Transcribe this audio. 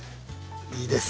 いいです。